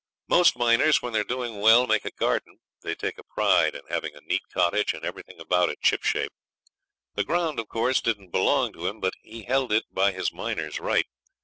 Most miners, when they're doing well, make a garden. They take a pride in having a neat cottage and everything about it shipshape. The ground, of course, didn't belong to him, but he held it by his miner's right.